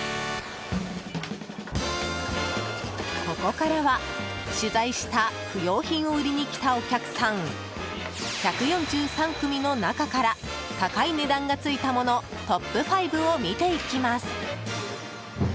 ここからは、取材した不用品を売りに来たお客さん１４３組の中から高い値段がついた物トップ５を見ていきます。